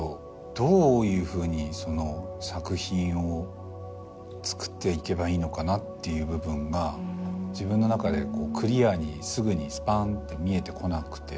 どういうふうに作品をつくっていけばいいのかなって自分の中でクリアにすぐにスパンって見えてこなくて。